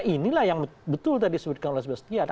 inilah yang betul tadi sebutkan oleh soebastiad